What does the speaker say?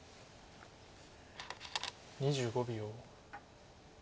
２５秒。